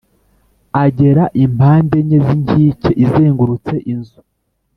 Agera impande enye z inkike izengurutse inzu